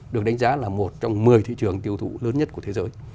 được đánh giá là một trong một mươi thị trường tiêu thụ lớn nhất của thế giới